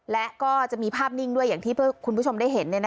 และก็จะมีภาพนิ่งด้วยอย่างที่คุณผู้ชมได้เห็น